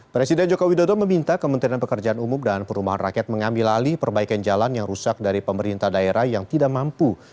presiden jokowi dodo meminta kementerian pekerjaan umum dan perumahan rakyat mengambil alih perbaikan jalan yang rusak dari pemerintah daerah yang tidak mampu